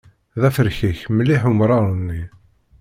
D aferkak mliḥ umrar-nni.